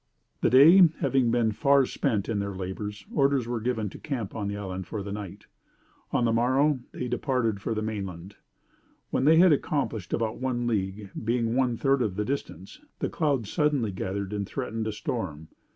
The day having been far spent in their labors, orders were given to camp on the island for the night. On the morrow they departed for the main land. When they had accomplished about one league, being one third of the distance, the clouds suddenly gathered and threatened a storm.